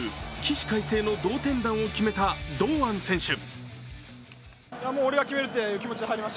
起死回生の同点弾を決めた堂安選手。